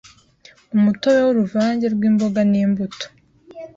umutobe w’uruvange rw’imboga n’imbuto